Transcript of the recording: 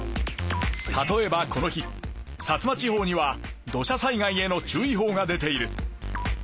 例えばこの日薩摩地方には土砂災害への注意報が出ている。